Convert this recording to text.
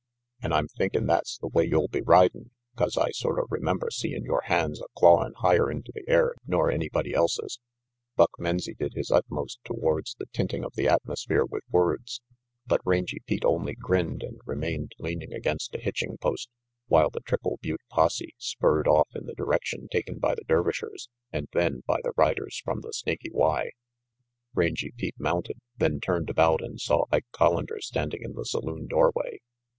An* I'm thinkin' that's the way you'll be ridin', 'cause I sorta remember seein' your hands a clawing higher into the air nor anybody else's. " Buck Menzie did his utmost towards the tinting of the atmosphere with words, but Rangy Pete only grinned and remained leaning against a hitching post while the Triple Butte posse spurred off in the direction taken by the Dervishers and then by the riders from the Snaky Y. Rangy Pete mounted, then turned about and saw Ike Collander standing in the saloon doorway.